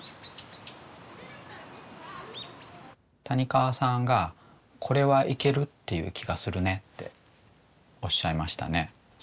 谷川さんが「これはいけるっていう気がするね」っておっしゃいましたね。